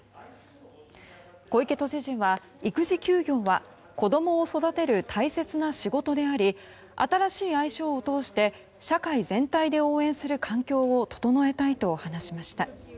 小池都知事は育児休業は子供を育てる大切な仕事であり新しい愛称を通して社会全体で応援する環境を整えたいと話しました。